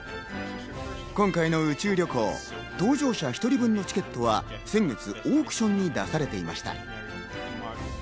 今回の宇宙旅行、搭乗者１人分のチケットは先月オークションに出されていました。